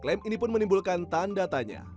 klaim ini pun menimbulkan tanda tanya